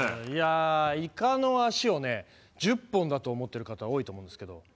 いやイカの脚をね１０本だと思ってる方多いと思うんですけど